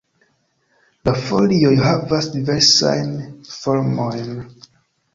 La folioj havas diversajn formojn.